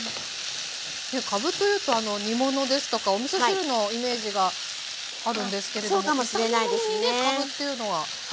かぶというと煮物ですとかおみそ汁のイメージがあるんですけれども炒め物にねかぶというのは。